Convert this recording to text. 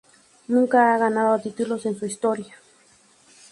Nunca han ganado títulos en su historia.